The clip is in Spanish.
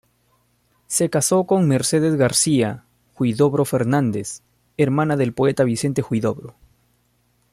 Se casó con Mercedes García-Huidobro Fernández, hermana del poeta Vicente Huidobro.